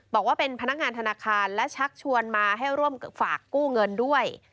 บอกว่าเป็นพนักงานธนาคารและชักชวนมาให้ร่วมฝากกู้เงินด้วย